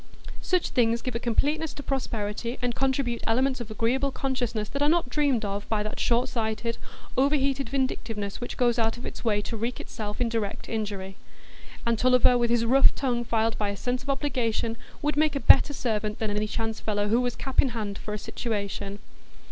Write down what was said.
Such things give a completeness to prosperity, and contribute elements of agreeable consciousness that are not dreamed of by that short sighted, overheated vindictiveness which goes out its way to wreak itself in direct injury. And Tulliver, with his rough tongue filed by a sense of obligation, would make a better servant than any chance fellow who was cap in hand for a situation.